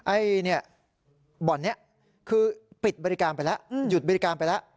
บ่อนนี้คือปิดบริการไปแล้วหยุดบริการไปแล้ว